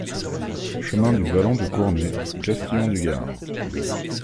Chemin du Vallon de Cournet, Castillon-du-Gard